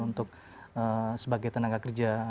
untuk sebagai tenaga kerja